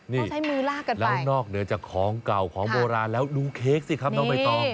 นี่แล้วนอกเหนือจากของเก่าของโบราณแล้วดูเค้กสิครับน้องมัยต้อง